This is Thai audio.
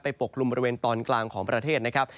ปกลุ่มบริเวณตอนกลางของประเทศนะครับ